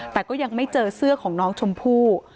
แต่ก็ยังไม่เจอเสื้อของน้องชมพู่